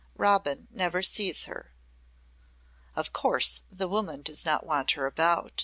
Robin never sees her." "Of course the woman does not want her about.